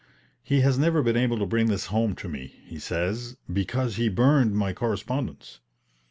He has never been able to bring this home to me, he says, because he burned my correspondence.